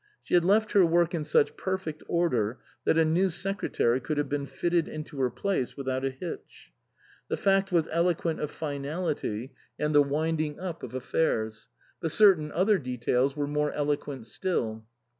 She had left her work in such perfect order that a new secretary could have been fitted into her place without a hitch. The fact was eloquent of finality and the 127 THE COSMOPOLITAN winding up of affairs ; but certain other details were more eloquent still.